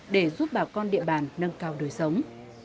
để giúp bà con địa bàn nâng cao đời sống